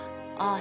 あ